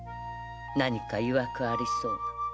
何か曰くありそうな